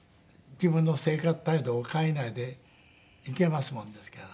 自分の生活態度を変えないでいけますもんですから。